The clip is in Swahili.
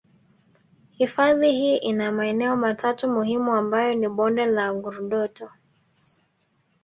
Hifadhi hii ina maeneo matatu muhimu ambayo ni bonde la Ngurdoto